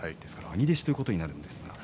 兄弟子ということになります。